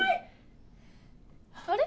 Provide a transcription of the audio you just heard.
あれ？